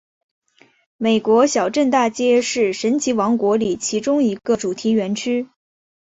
美国小镇大街是神奇王国里其中一个主题园区。